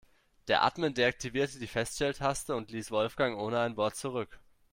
Der Admin deaktivierte die Feststelltaste und ließ Wolfgang ohne ein Wort zurück.